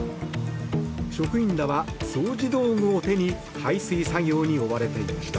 職員らは掃除道具を手に排水作業に追われていました。